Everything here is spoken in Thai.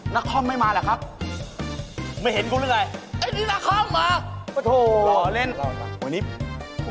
ยกเวลโลแบิร์ดคนเดียว